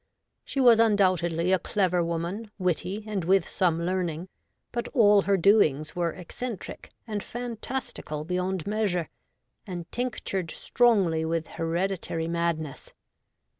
She was undoubtedly a clever woman, witty, and with some learning ; but all her doings were eccentric and fantastical beyond measure, and tinctured strongly with hereditary madness.